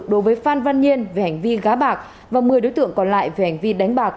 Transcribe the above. đối với phan văn nhiên về hành vi gá bạc và một mươi đối tượng còn lại về hành vi đánh bạc